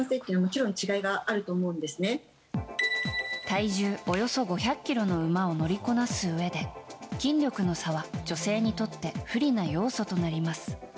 体重およそ５００ｋｇの馬を乗りこなすうえで筋力の差は女性にとって不利な要素となります。